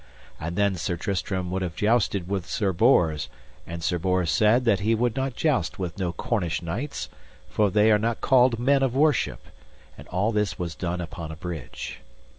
And then Sir Tristram would have jousted with Sir Bors, and Sir Bors said that he would not joust with no Cornish knights, for they are not called men of worship; and all this was done upon a bridge.